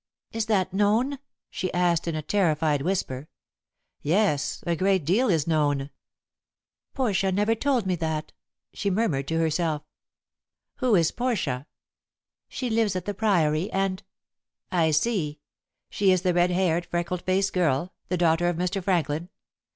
"Is that known?" she asked in a terrified whisper. "Yes. A great deal is known." "Portia never told me that," she murmured to herself. "Who is Portia?" "She lives at the Priory, and " "I see. She is the red haired, freckle faced girl the daughter of Mr. Franklin.